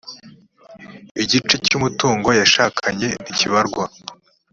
igice cy umutungo yashakanye ntikibarwa